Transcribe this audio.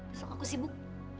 besok aku sibuk